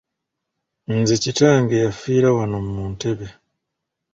Nze kitange yafiira wano mu ntebe